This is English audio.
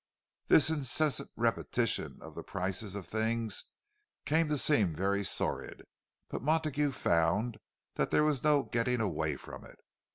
This incessant repetition of the prices of things came to seem very sordid; but Montague found that there was no getting away from it.